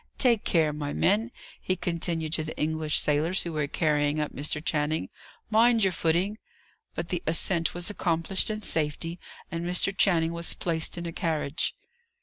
Take care, my men!" he continued to the English sailors, who were carrying up Mr. Channing. "Mind your footing." But the ascent was accomplished in safety, and Mr. Channing was placed in a carriage.